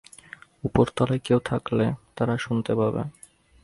উপরতলায় কেউ থাকলে, তারা শুনতে পাবে।